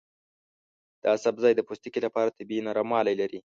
دا سبزی د پوستکي لپاره طبیعي نرموالی لري.